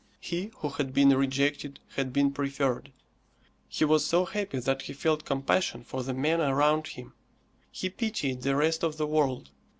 He who had been rejected had been preferred. He was so happy that he felt compassion for the men around him. He pitied the rest of the world.